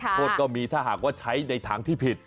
โทษก็มีถ้าหากว่าใช้ในทางที่ผิด